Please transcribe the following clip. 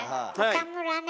岡村ね